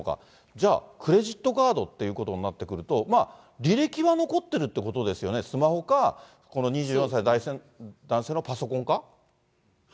じゃあ、クレジットカードっていうことになってくると、履歴は残ってるってことですよね、スマホか、この２４歳男性のパソコンか。